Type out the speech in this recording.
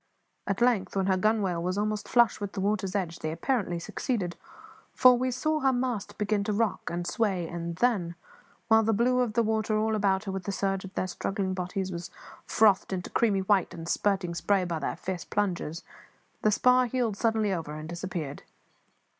At length, when her gunwale was almost flush with the water's edge, they apparently succeeded; for we saw her mast begin to rock and sway, and then, while the blue of the water all about her with the surge of their struggling bodies was frothed into creamy white and spurting spray by their fierce plunges, the spar heeled suddenly over and disappeared.